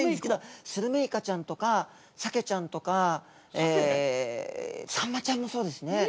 スルメイカちゃんとかサケちゃんとかえサンマちゃんもそうですね。